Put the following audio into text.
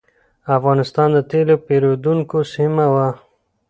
افغانستان د تېلو پېرودونکو سیمه وه.